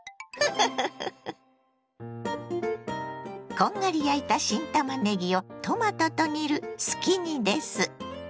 こんがり焼いた新たまねぎをトマトと煮るすき煮です。